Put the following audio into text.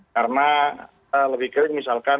karena lebih kering misalkan